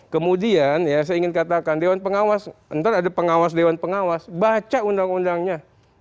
kemudian ya saya ingin katakan dewan pengawas nanti ada pengawas dewan pengawas baca undang undangnya